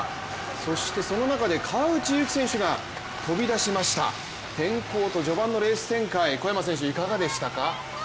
そしてその中で川内優輝選手が飛び出しました天候と序盤のレース展開いかがでしたか？